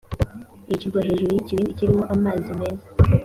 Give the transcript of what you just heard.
yicirwa hejuru y ikibindi kirimo amazi meza